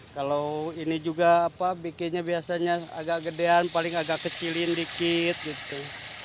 kalau ini juga apa bikinnya biasanya agak gedean paling agak kecilin dikit gitu